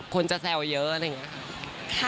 คนจะแซวเยอะอะไรอย่างนี้ค่ะ